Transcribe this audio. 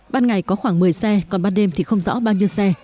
ban ngày có khoảng một mươi xe còn ban đêm thì không rõ bao nhiêu xe